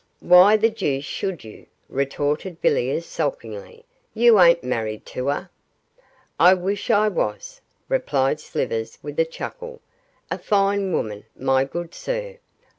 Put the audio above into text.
'Why the deuce should you?' retorted Villiers, sulkily. 'You ain't married to her.' 'I wish I was,' replied Slivers with a chuckle. 'A fine woman, my good sir!